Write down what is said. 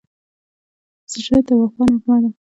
زړه د وفا نغمه ده.